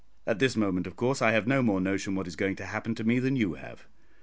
At this moment, of course, I have no more notion what is going to happen to me than you have.